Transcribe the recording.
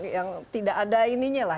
yang tidak ada ininya lah